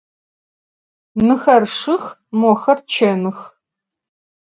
Mıxer şşıx, moxer çemıx.